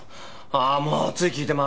ああもうつい聞いてま